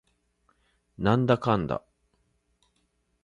なんだかんだ